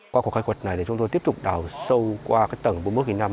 qua cuộc khai cuộc này chúng tôi tiếp tục đào sâu qua tầng bốn mươi một năm